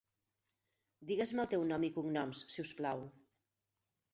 Digues-me el teu nom i cognoms, si us plau.